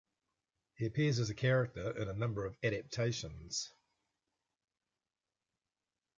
He appears as a character in a number of adaptations.